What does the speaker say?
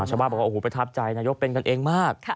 ชาวบ้านบอกว่าโอ้โหประทับใจนายกเป็นกันเองมาก